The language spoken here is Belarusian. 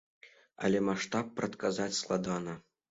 Але маштаб прадказаць складана.